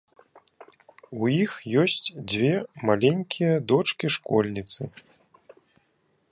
У іх ёсць дзве маленькія дочкі-школьніцы.